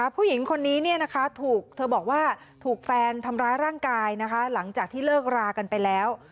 ผู้หญิงคนนี้ถูกเธอบอกว่าถูกแฟนทำร้ายร่างกายนะคะหลังจากที่เลิกรากันไปแล้ว